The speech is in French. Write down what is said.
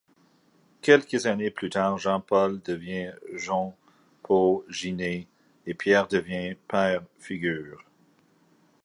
Quelques années plus tard, Jean-Paul devient Joan Pau Giné et Pierre devient Pere Figueres.